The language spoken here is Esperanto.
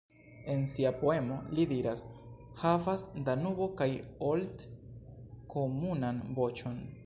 En sia poemo li diras: Havas Danubo kaj Olt komunan voĉon.